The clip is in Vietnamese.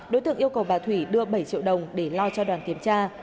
đối tượng yêu cầu bà thủy đưa bảy triệu đồng để lo cho đoàn kiểm tra